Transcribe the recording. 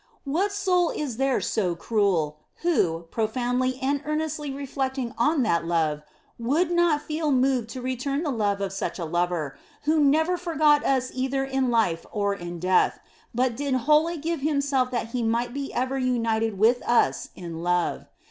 What soul is there so cruel, who, profoundly and earnestly reflecting on that love, would not feel moved to return the love of such a Lover, who never forgot us either in life or in death, but did wholly give Himself that He might be ever united with us in love.